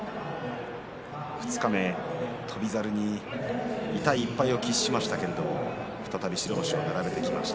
二日目、翔猿に痛い１敗を喫しましたが再び白星を並べてきました。